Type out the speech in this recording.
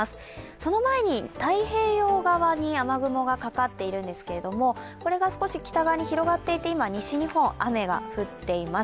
その前に太平洋側に雨雲がかかっているんですけれどもこれが少し北側に広がっていて今、西日本、雨が降っています。